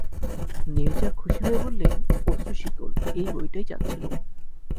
নীরজা খুশি হয়ে বললে, অশ্রু-শিকল, এই বইটাই চাচ্ছিলুম।